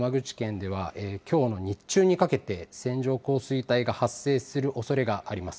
特に九州と山口県では、きょうは日中にかけて線状降水帯が発生するおそれがあります。